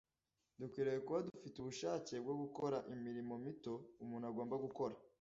Dukwiriye kuba dufite ubushake bwo gukora imirimo mito, umuntu agomba gukora,